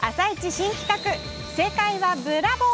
新企画「世界はブラボー！」。